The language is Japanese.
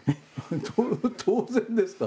当然ですか？